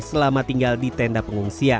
selama tinggal di tenda pengungsian